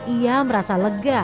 ia merasa lega